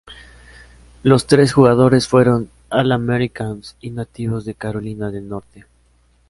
Los tres jugadores fueron All-Americans y nativos de Carolina del Norte.